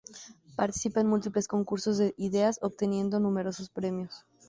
Participa en múltiples concursos de ideas, obteniendo numerosos premios.